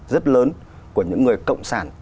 rất lớn của những người cộng sản